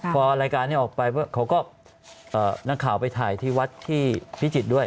พอรายการนี้ออกไปเขาก็นักข่าวไปถ่ายที่วัดที่พิจิตรด้วย